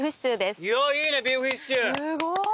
すごい。